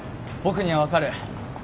僕には分かる。